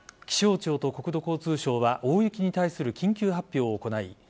気象庁と国土交通省は大雪に対する緊急発表を行い